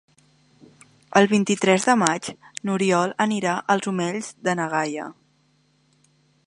El vint-i-tres de maig n'Oriol anirà als Omells de na Gaia.